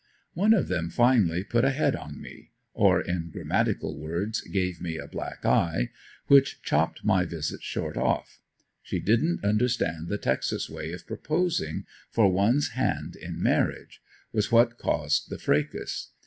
One of them finally "put a head on me" or in grammatical words, gave me a black eye which chopped my visits short off; she didn't understand the Texas way of proposing for one's hand in marriage, was what caused the fracas.